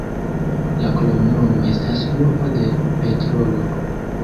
La kromnomo estas "urbo de petrolo".